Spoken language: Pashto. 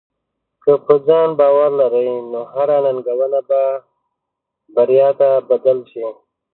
که په ځان باور لرې، نو هره ننګونه به بریا ته بدل شي.